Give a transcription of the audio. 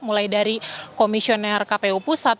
mulai dari komisioner kpu pusat